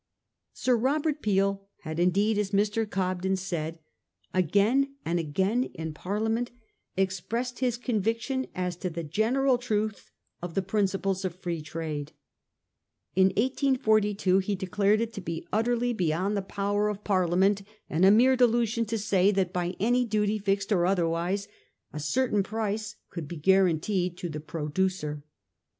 Sir Robert Peel had indeed, as Mr. Cobden said, again and again in Parliament expressed his conviction as to the general truth of the principles of Free Trade. In 1842, he declared it to be utterly beyond the power VOL. I. A A 854 ^ HISTORY OF OUR OWN TIMES. cn. xtt. of Parliament, and a mere delusion, to say that by any duty, fixed or otherwise, a certain price could be guaranteed to the producer.